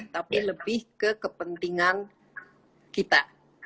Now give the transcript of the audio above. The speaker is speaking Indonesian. tapi lebih ke kepentingan kita